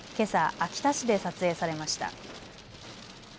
秋田市で撮影されました。